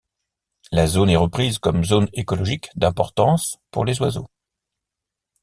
La zone est reprise comme zone écologique d’importance pour les oiseaux.